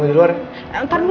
menurut mu itu